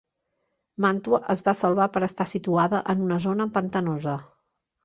Màntua es va salvar per estar situada en una zona pantanosa.